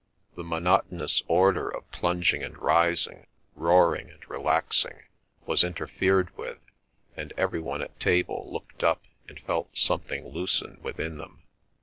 The monotonous order of plunging and rising, roaring and relaxing, was interfered with, and every one at table looked up and felt something loosen within them.